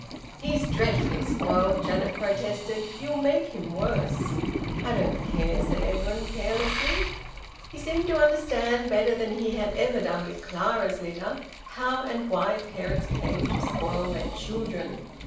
"He's dreadfully spoiled," Janet protested. "You'll make him worse." "I don't care," said Edwin carelessly. He seemed to understand, better than he had ever done with Clara's litter, how and why parents came to spoil their children.